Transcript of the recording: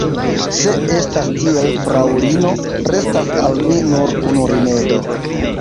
Se estas tiel, fraŭlino, restas al mi nur unu rimedo.